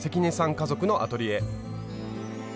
家族のアトリエ。